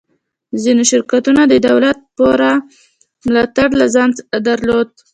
ځینو شرکتونو د دولت پوره ملاتړ له ځان سره درلود